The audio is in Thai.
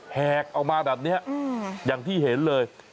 แหกเอามาแบบนี้อย่างที่เห็นเลย